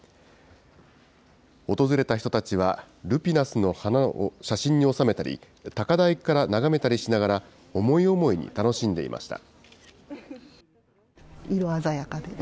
訪れた人たちは、ルピナスの花を写真に収めたり、高台から眺めたりしながら、思い思いに楽しんでいました。